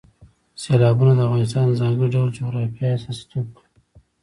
سیلابونه د افغانستان د ځانګړي ډول جغرافیه استازیتوب کوي.